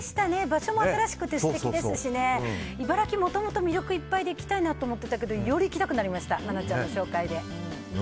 場所も新しくて素敵ですし茨城、もともと魅力がいっぱいで行きたいなと思ってたけどより行きたくなりました奈々ちゃんの紹介で。